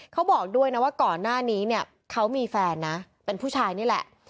เขาบอกด้วยนะว่าก่อนหน้านี้เนี่ยเขามีแฟนนะเป็นผู้ชายนี่แหละ